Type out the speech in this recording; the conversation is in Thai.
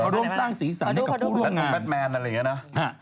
ร่วมสร้างศีรษะให้กับผู้โรงงานฮะดูแบตแมนอะไรอย่างนี้นะ